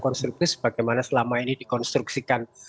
konstruktif bagaimana selama ini dikonstruksikan